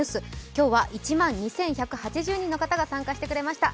今日は１万２１８０人の方が参加してくれました。